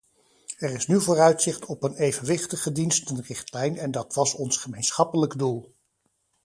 Er is nu vooruitzicht op een evenwichtige dienstenrichtlijn en dat was ons gemeenschappelijk doel.